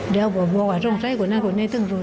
เดี๋ยวบอกว่าสงสัยกว่านั้นกว่านี้ต้องรู้